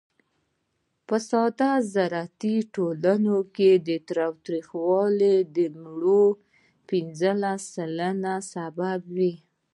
په ساده زراعتي ټولنو کې تاوتریخوالی د مړینو پینځلس سلنه سبب و.